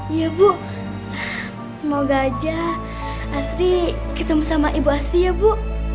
iya bu semoga aja asri ketemu sama ibu asli ya bu